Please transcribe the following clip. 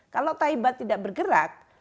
quao thai bus tidak bergerak